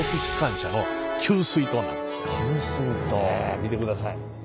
見てください。